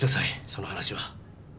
その話は。